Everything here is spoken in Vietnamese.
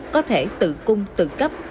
có thể tự cung tự cấp